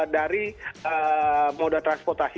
dari moda transportasi